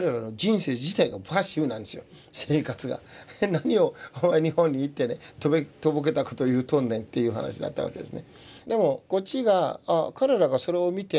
何をお前日本に行ってねとぼけたこと言うとんねんという話だったわけですね。